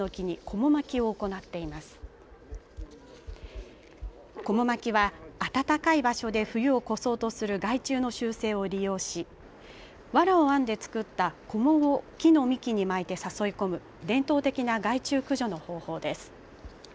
こも巻きは暖かい場所で冬を越そうとする害虫の習性を利用しわらを編んで作ったこもを木の幹に巻いて誘い込む伝統的な害虫駆除の方法です。